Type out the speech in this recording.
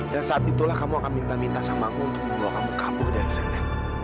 dan saat itulah kamu akan minta minta sama aku untuk membawa kamu kabur dari sana